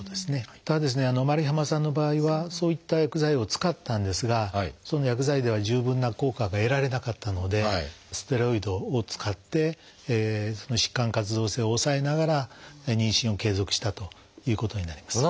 ただｍａｒｉｈａｍａさんの場合はそういった薬剤を使ったんですがその薬剤では十分な効果が得られなかったのでステロイドを使ってその疾患活動性を抑えながら妊娠を継続したということになります。